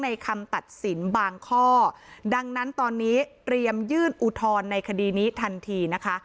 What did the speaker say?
คำตัดสินบางข้อดังนั้นตอนนี้เตรียมยื่นอุทธรณ์ในคดีนี้ทันทีนะคะ